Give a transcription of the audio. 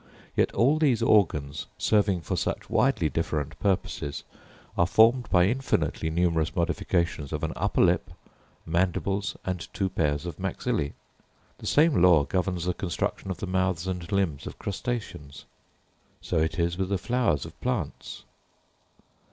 Yet all these organs, serving for such widely different purposes, are formed by infinitely numerous modifications of an upper lip, mandibles, and two pairs of maxillæ. The same law governs the construction of the mouths and limbs of crustaceans. So it is with the flowers of plants.